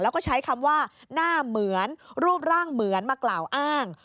แล้วก็ใช้คำว่าหน้าเหมือนรูปร่างเหมือนมากล่าวอ้าง